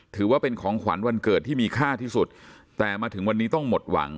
ถือว่าเป็นของขวัญวันเกิดที่มีค่าที่สุดแต่มาถึงวันนี้ต้องหมดหวัง